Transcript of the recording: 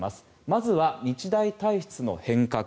まずは日大体質の変革。